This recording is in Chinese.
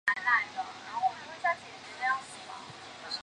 此赋主张言论自由及公义。